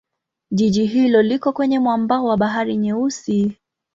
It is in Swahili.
Jiji hilo liko kwenye mwambao wa Bahari Nyeusi.